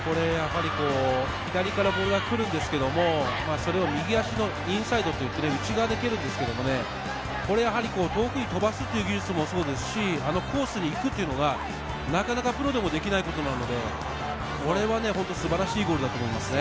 左からボールが来るんですけども、それを右足のインサイド、内側で蹴るんですけど、遠くに飛ばすという技術もそうですし、コースに行くというのが、なかなかプロでもできないことなので、これは本当に素晴らしいゴールだと思います。